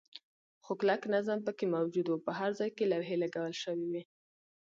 خو کلک نظم پکې موجود و، په هر ځای کې لوحې لګول شوې وې.